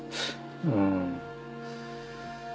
うん。